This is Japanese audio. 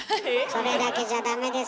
それだけじゃダメです。